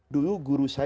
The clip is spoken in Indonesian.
dulu gurusnya itu